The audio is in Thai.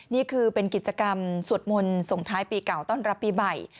นี่คือเป็นกิจกรรมสวดมนต์ส่งท้ายปีเก่าต้อนรับปีใหม่